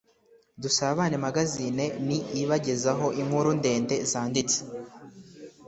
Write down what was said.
dusabane magazine ni ibagezaho inkuru ndende zanditse